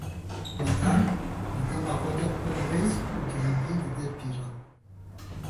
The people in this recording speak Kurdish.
Medan, di dema xwe de pir rêz û girîngî dide pîran.